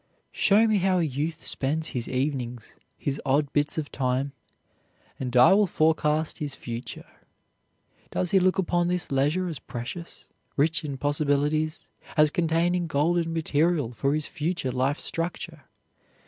Show me how a youth spends his evenings, his odd bits of time, and I will forecast his future. Does he look upon this leisure as precious, rich in possibilities, as containing golden material for his future life structure?